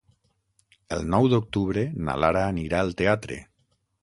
El nou d'octubre na Lara anirà al teatre.